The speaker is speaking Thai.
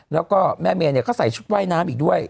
แล้วก็แม่เมย์ก็ใส่ชุดว่ายน้ำอีกด้วย